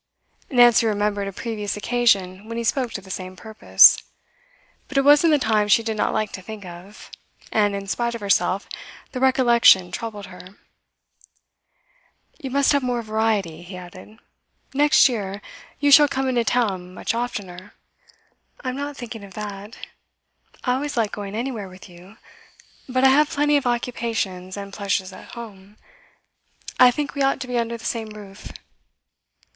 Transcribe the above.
Nancy remembered a previous occasion when he spoke to the same purpose. But it was in the time she did not like to think of, and in spite of herself the recollection troubled her. 'You must have more variety,' he added. 'Next year you shall come into town much oftener ' 'I'm not thinking of that. I always like going anywhere with you; but I have plenty of occupations and pleasures at home. I think we ought to be under the same roof.